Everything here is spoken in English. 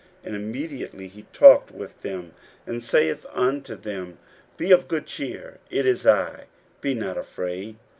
And immediately he talked with them, and saith unto them, Be of good cheer: it is I; be not afraid.